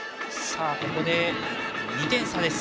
ここで２点差です。